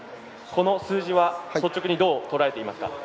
この数字は率直にどうとらえていますか。